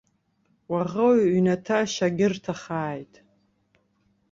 Уаӷоу иҩнаҭа шьагьырҭахааит.